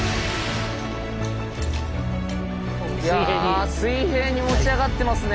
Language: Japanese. いや水平に持ち上がってますね。